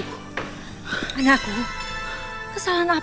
sejahteranya raden sudah menikah